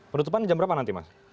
penutupan jam berapa nanti mas